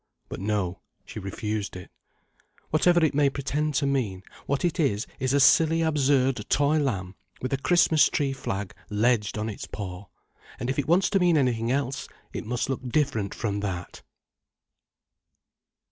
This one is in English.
But no—she refused it. "Whatever it may pretend to mean, what it is is a silly absurd toy lamb with a Christmas tree flag ledged on its paw—and if it wants to mean anything else, it must look different from that."